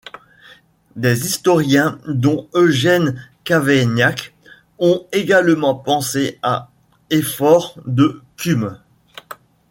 Des historiens dont Eugène Cavaignac ont également pensé à Éphore de Cumes.